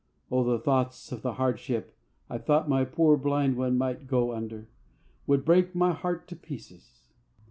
Oh, the thoughts of the hardship I thought my poor blind one might go under would break my heart to pieces!"